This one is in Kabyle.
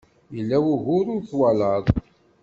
Yella wugur ur twalaḍ.